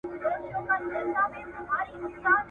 د خیالي رباب شرنګی دی تر قیامته په غولیږو `